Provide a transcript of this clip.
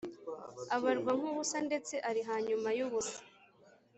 Abarwa nk ubusa ndetse ari hanyuma y ubusa